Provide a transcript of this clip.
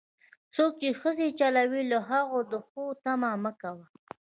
څوک چې ښځې چلوي، له هغو د ښو تمه مه کوه.